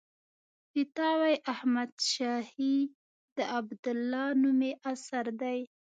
فتاوی احمدشاهي د عبدالله نومي اثر دی.